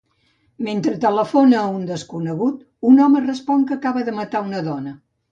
Mentre telefona a un desconegut, un home respon que acaba de matar una dona.